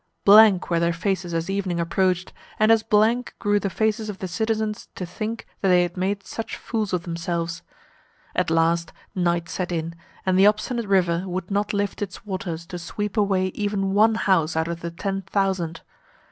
Blank were their faces as evening approached, and as blank grew the faces of the citizens to think that they had made such fools of themselves. At last night set in, and the obstinate river would not lift its waters to sweep away even one house out of the ten thousand.